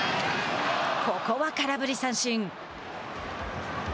ここは空振り三振。